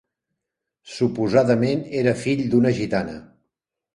Suposadament era fill d'una gitana.